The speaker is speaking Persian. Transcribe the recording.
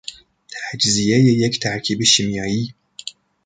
تجزیهی یک ترکیب شیمیایی